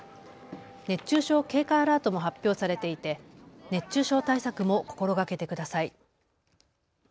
熱中症警戒アラートも発表されていて熱中症対策も心がけてください。